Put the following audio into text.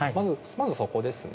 まずそこですね。